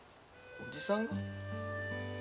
おじさん。